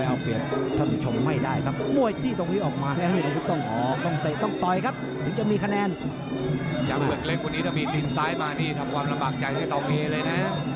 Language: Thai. อาจจะได้หนักนี่ออกตีนขวาก่อน